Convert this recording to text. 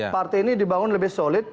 partai ini dibangun lebih solid